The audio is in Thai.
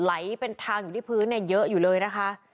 ไหลเป็นทางอยู่ที่พื้นเนี่ยเยอะอยู่เลยนะคะ